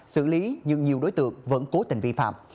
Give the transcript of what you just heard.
xử lý nhưng nhiều đối tượng vẫn cố tình vi phạm